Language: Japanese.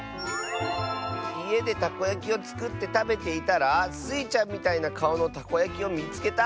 「いえでたこやきをつくってたべていたらスイちゃんみたいなかおのたこやきをみつけた！」。